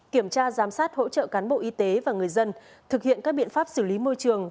kiểm tra giám sát hỗ trợ cán bộ y tế và người dân thực hiện các biện pháp xử lý môi trường